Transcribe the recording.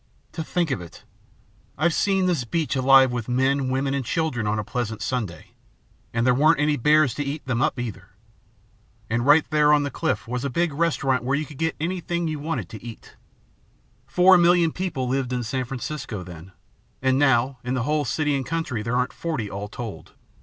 "To think of it! I've seen this beach alive with men, women, and children on a pleasant Sunday. And there weren't any bears to eat them up, either. And right up there on the cliff was a big restaurant where you could get anything you wanted to eat. Four million people lived in San Francisco then. And now, in the whole city and county there aren't forty all told.